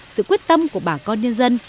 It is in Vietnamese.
sự quyết tâm của bà con nhân dân